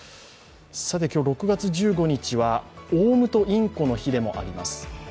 今日６月１５日はオウムとインコの日でもあります。